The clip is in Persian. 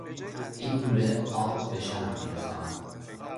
این لوله آب به شهر میرساند.